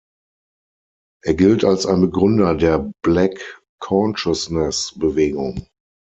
Er gilt als ein Begründer der Black-Consciousness-Bewegung.